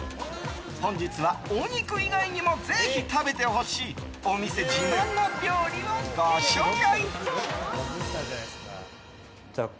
本日は、お肉以外にもぜひ食べてほしいお店自慢の料理をご紹介。